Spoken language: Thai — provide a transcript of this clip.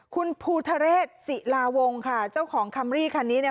คุณภูทะเรศศิลาวงค่ะเจ้าของคัมรี่คันนี้เนี่ย